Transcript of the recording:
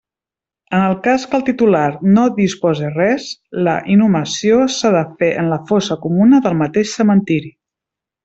En el cas que el titular no dispose res, la inhumació s'ha de fer en la fossa comuna del mateix cementeri.